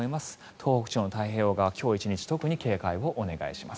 東北地方の太平洋側、今日１日特に警戒をお願いします。